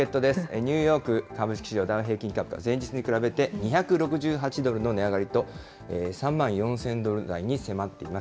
ニューヨーク株式市場、ダウ平均株価、前日に比べて、２６８ドルの値上がりと３万４０００ドル台に迫っています。